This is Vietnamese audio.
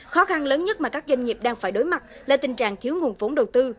khó khăn lớn nhất mà các doanh nghiệp đang phải đối mặt là tình trạng thiếu nguồn vốn đầu tư